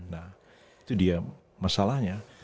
nah itu dia masalahnya